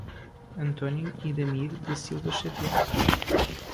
Antônio Idamir da Silva Xavier